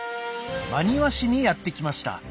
真庭市にやって来ました